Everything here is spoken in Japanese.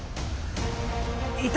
いた！